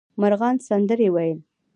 مرغان سندرې ویل.